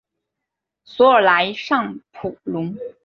索尔莱尚普隆。